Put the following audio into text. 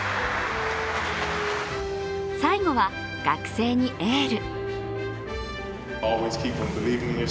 最後は、学生にエール。